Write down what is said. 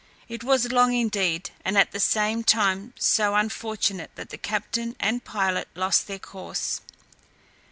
It was long indeed, and at the same time so unfortunate, that the captain and pilot lost their course.